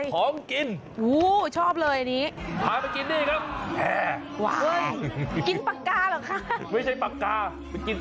ของกินชอบเลยอันนี้พาไปกินนี่ค่ะแผ่กินปากกาหรอกคะไม่ใช่ปากกากินจิ๊คจกยักษ์